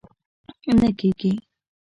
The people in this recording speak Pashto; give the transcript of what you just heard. نه کېږي!